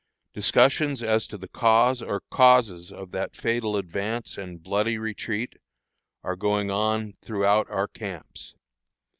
Discussions as to the cause or causes of that fatal advance and bloody retreat are going on throughout our camps.